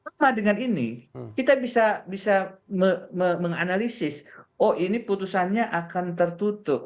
sama dengan ini kita bisa menganalisis oh ini putusannya akan tertutup